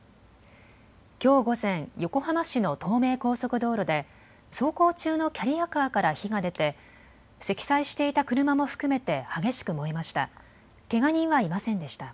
きょう午前、横浜市の東名高速道路で走行中のキャリアカーから火が出て積載していた車も含めて激しく燃えました。